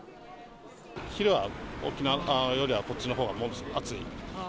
昼は沖縄よりは、こっちのほうが暑い。